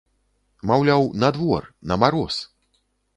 Маўляў, на двор, на мароз!